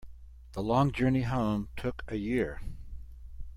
The long journey home took a year.